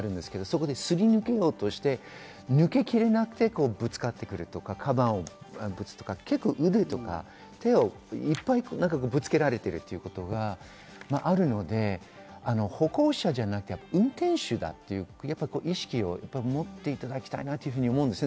そこをすり抜けようとして抜けきれなくてぶつかってくるとか、鞄をぶつけるとか、腕とか手をいっぱいぶつけられているということがあるので、歩行者じゃなくて運転手だという意識を持っていただきたいなと思います。